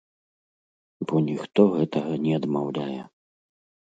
Бо ніхто гэтага не адмаўляе.